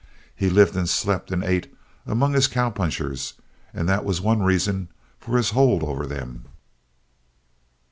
He lived and slept and ate among his cowpunchers and that was one reason for his hold over them.